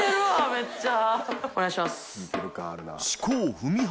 めっちゃ。